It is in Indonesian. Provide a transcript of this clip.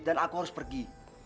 dan aku harus pergi